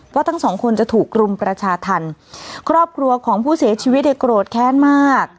ว่าทั้งสองคนจะถูกรุมประชาธรรมครอบครัวของผู้เสียชีวิตเนี่ยโกรธแค้นมาก